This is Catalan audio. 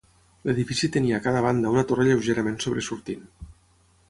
L'edifici tenia a cada banda una torre lleugerament sobresortint.